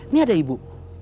nih ada ibu